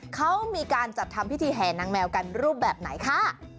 เขามีการจัดทำพิธีแห่นางแมวกันรูปแบบไหนค่ะ